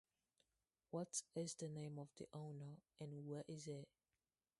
What is the name of the owner and where is he?